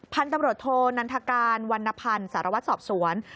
พันธุ์ตำรวจโทนันทการวรรณพันธ์สารวัตรสอบสวน